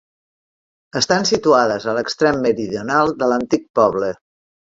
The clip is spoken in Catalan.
Estan situades a l'extrem meridional de l'antic poble.